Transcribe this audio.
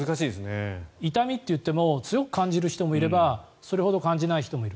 痛みって言っても強く感じる人もいればそうでない人もいる。